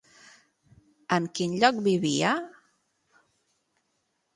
En quin lloc vivia?